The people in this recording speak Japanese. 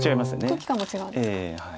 空気感も違うんですか。